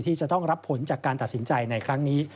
ที่จะต้องรับผลจากการตัดสินใจในครั้งนี้